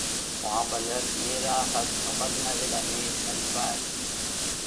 பாவலர் நேராகக் கவர்னரிடமே சென்றார்.